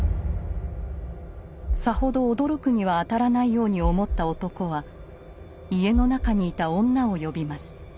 さほど驚くには当たらないように思った男は家の中に居た女を呼びます。